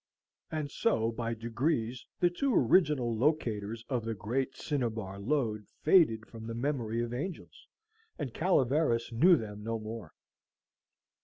And so by degrees the two original locaters of the great Cinnabar lode faded from the memory of Angel's, and Calaveras knew them no more.